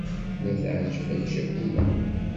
Tella teεǧeb-ak ccakula.